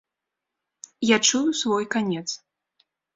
Я чую свой канец.